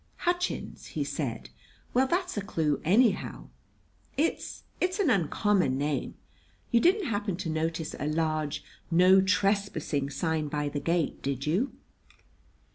"Hutchins!" he said. "Well, that's a clue anyhow. It it's an uncommon name. You didn't happen to notice a large 'No Trespassing!' sign by the gate, did you?"